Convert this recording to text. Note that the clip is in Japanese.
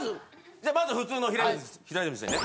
じゃあまず普通の平泉成ね。